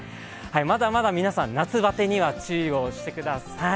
まだまだ皆さん、夏バテには注意をしてください。